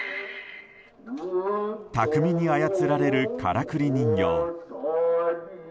巧みに操られるからくり人形。